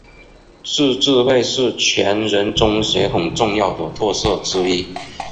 自治会是全人中学很重要的特色之一。